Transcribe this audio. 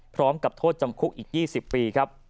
พร้อมกับโทษจำคุกอีก๒๐ปีครับ